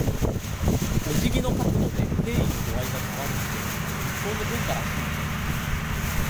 お辞儀の角度で、敬意の度合いが変わるって日本の文化らしいね。